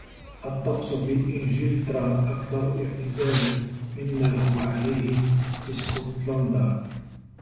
الطقس في انجلترا أكثر اعتدالاَ مما هو عليه في اسكوتلاندا.